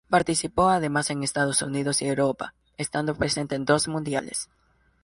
Participó además en Estados Unidos y Europa, estando presente en dos mundiales.